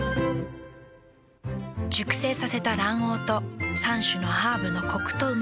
熟成させた卵黄と３種のハーブのコクとうま味。